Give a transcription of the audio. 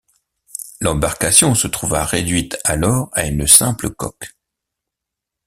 L’embarcation se trouva réduite alors à une simple coque.